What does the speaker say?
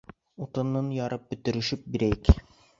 — Утынын ярып бөтөрөшөп бирәйек.